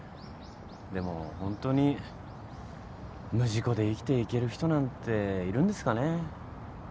でもほんとに無事故で生きていける人なんているんですかね。